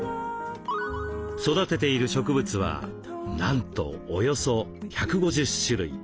育てている植物はなんとおよそ１５０種類。